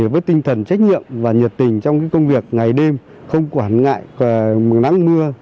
với tinh thần trách nhiệm và nhiệt tình trong công việc ngày đêm không quản ngại nắng mưa